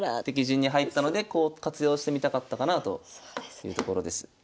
敵陣に入ったので活用してみたかったかなというところです。